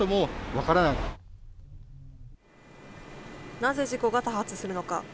なぜ事故が多発するのか。